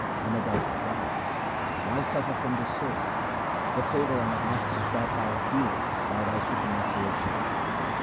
Amar Das replied, ' Why suffer from this sore ? The favour I ask is that thou heal it by thy supernatural power.'